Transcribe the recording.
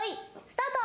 スタート。